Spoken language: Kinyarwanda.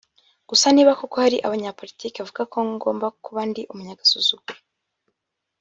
Gusa niba koko hari abanyapolitiki bavuga ko ngomba kuba ndi umunyagasuzuguro